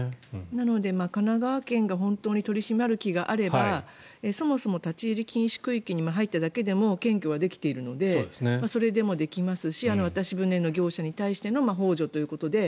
なので神奈川県が本当に取り締まる気があればそもそも立ち入り禁止区域に入っただけでも検挙はできているのでそれでもできますし渡し船の業者に対してのほう助ということで。